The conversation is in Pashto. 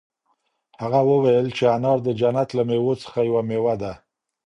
هغه وویل چې انار د جنت له مېوو څخه یوه مېوه ده.